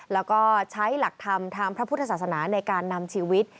แล้วก็ใช้หลักธรรมทางพระพุทธศาสนาในการนำชีวิต